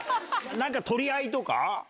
何か取り合いとか？